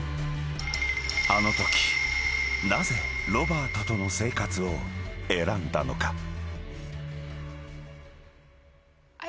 ［あのときなぜロバートとの生活を選んだのか？］